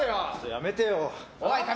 やめてよ。